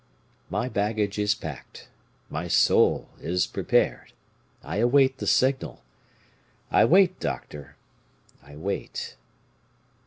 My baggage is packed, my soul is prepared, I await the signal I wait, doctor, I wait!"